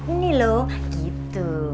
ini loh gitu